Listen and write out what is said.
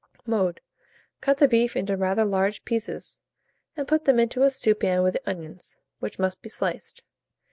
Mode. Cut the beef into rather large pieces, and put them into a stewpan with the onions, which must be sliced.